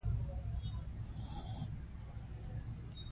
نن یې دې ته اړ کړم چې استعفا ورکړم.